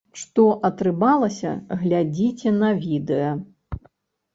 Што атрымалася, глядзіце на відэа!